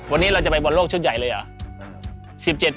วันนี้เราจะไปบอลโลกชุดใหญ่เลยเหรอ